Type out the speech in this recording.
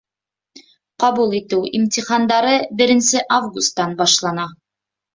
Ҡабул итеү имтихандары беренсе августан башлана.